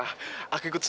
hai di bts